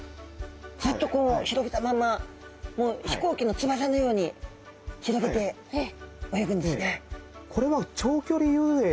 ずっとこう広げたまんま飛行機の翼のように広げて泳ぐんですね。